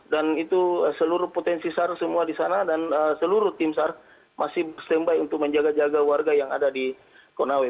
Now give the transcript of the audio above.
dan itu seluruh potensi sar semua di sana dan seluruh tim sar masih standby untuk menjaga jaga warga yang ada di konawe